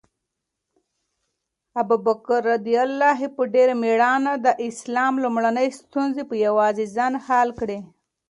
ابوبکر رض په ډېره مېړانه د اسلام لومړنۍ ستونزې په یوازې ځان حل کړې.